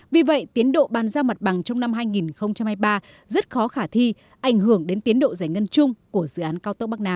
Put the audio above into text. vì vậy tiến độ bàn giao mặt bằng trong năm hai nghìn hai mươi ba rất khó khả thi ảnh hưởng đến tiến độ giải ngân chung của dự án cao tốc bắc nam